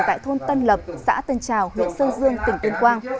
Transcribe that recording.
tại thôn tân lập xã tân trào huyện sơn dương tỉnh tuyên quang